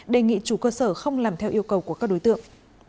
đề nghị chủ cơ sở không làm theo yêu cầu của các đối tượng